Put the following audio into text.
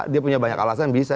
dia punya banyak alasan bisa